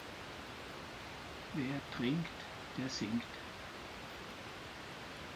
Wer trinkt, der singt.